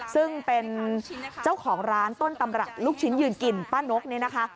ซึ่งเป็นเจ้าของร้านต้นตำรับลูกชิ้นยืนกินป้านกเนี่ยนะคะ